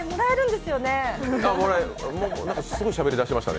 すごいしゃべり出しましたね。